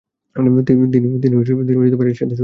তিনি এর সাথে যুক্ত হয়েছিলেন।